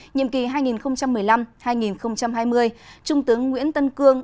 nhiệm kỳ hai nghìn một mươi năm hai nghìn hai mươi trung tướng nguyễn tân cương